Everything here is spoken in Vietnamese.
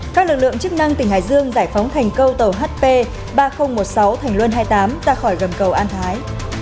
các lực lượng chức năng tỉnh hải dương giải phóng thành câu tàu hp ba nghìn một mươi sáu thành luân hai mươi tám ra khỏi gầm cầu an thái